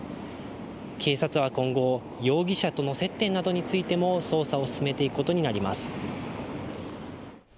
警察は今後、容疑者との接点などについても捜査を進めていくことになります。